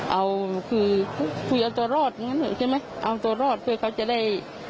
เอาคือครึ่งคุยกับตัวรอดใช่ไหมเอาตัวรอดเพื่อเขาจะได้